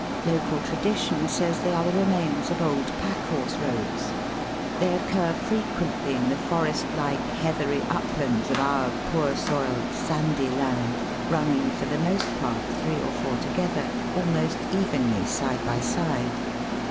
Local tradition says they are the remains of old pack horse roads; they occur frequently in the forest like heathery uplands of our poor soiled, sandy land, running, for the most part, three or four together, almost evenly side by side.